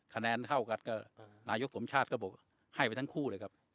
คะแนนเท่ากันก็นายกสมชาติก็บอกให้ไปทั้งคู่เลยครับ